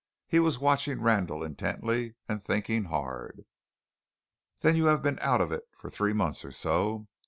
He was watching Randall intently, and thinking hard. "Then you have been out of it for three months or so.